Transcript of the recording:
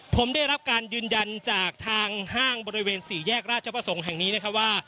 ผมได้รับการยืนยันจากทางห้างบริเวณสี่แยกราชประสงค์แห่งนี้นะครับว่า